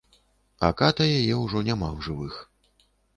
А ката яе ўжо няма ў жывых.